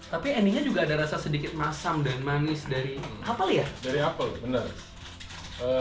tapi endingnya juga ada rasa sedikit masam dan manis dari apel ya